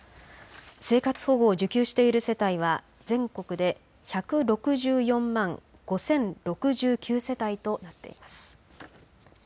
生活保護を受給している世帯は全国で１６４万５０６９世帯となっています。